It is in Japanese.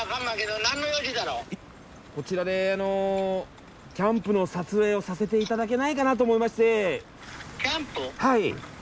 こちらでキャンプの撮影をさせていただけないかなと思いまして。